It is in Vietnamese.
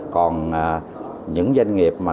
còn những doanh nghiệp mà